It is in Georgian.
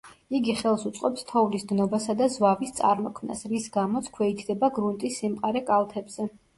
იგი ხელს უწყობს თოვლის დნობასა და ზვავის წარმოქმნას, რის გამოც ქვეითდება გრუნტის სიმყარე კალთებზე.